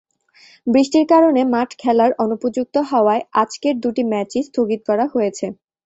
বৃষ্টির কারণে মাঠ খেলার অনুপযুক্ত হওয়ায় আজকের দুটি ম্যাচই স্থগিত করা হয়েছে।